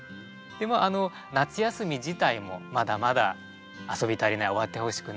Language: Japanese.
あの夏休み自体もまだまだ遊び足りない終わってほしくない